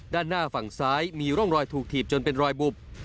ด้านหน้าฝั่งซ้ายมีร่องรอยถูกถีบจนเป็นรอยบุบ